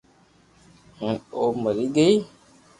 ھين او مري گئي